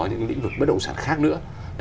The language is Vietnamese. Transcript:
những lĩnh vực bất động sản khác nữa